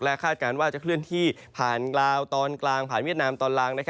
คาดการณ์ว่าจะเคลื่อนที่ผ่านลาวตอนกลางผ่านเวียดนามตอนล่าง